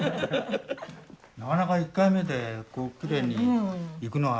なかなか１回目でこうきれいにいくのは。